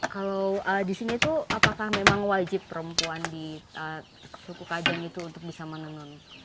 kalau di sini itu apakah memang wajib perempuan di suku kajang itu untuk bisa menenun